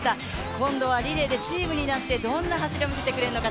今度はリレーでチームになってどんな走りを見せてくれるのか